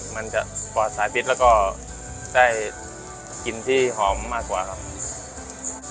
มันจะปลอดสายพิษแล้วก็ได้กลิ่นที่หอมมากกว่าครับ